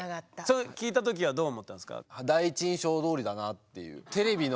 それ聞いた時はどう思ったんですか？